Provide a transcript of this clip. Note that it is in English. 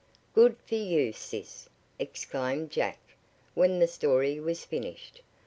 "Good for you, sis!" exclaimed Jack, when the story Was finished.